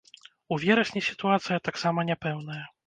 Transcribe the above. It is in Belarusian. У верасні сітуацыя таксама няпэўная.